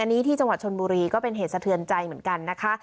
อันนี้ที่จังหวัดชนบุรีก็เป็นเหตุสะเทือนใจเหมือนกันนะคะ